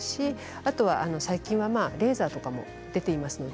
あと最近はレーザーとかも出ています。